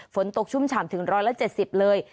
ฝนตกชุ่มฉ่ำถึงร้อยละ๗๐เลย